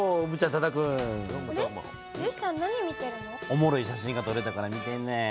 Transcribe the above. おもろい写真が撮れたから見てんねん。